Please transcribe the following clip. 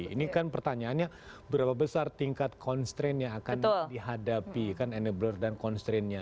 ini kan pertanyaannya berapa besar tingkat constraint yang akan dihadapi kan enabler dan constraintnya